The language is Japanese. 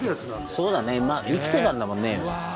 そうだね生きてたんだもんね。